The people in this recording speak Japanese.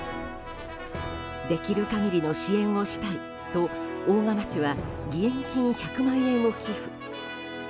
できる限りの支援をしたいと邑楽町は義援金１００万円を寄付。